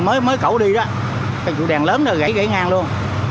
mới cậu đi đó cái trụ đèn lớn đó gãy gãy ngang luôn